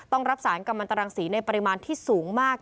ต้องรับสารกำลังตรังสีในปริมาณที่สูงมาก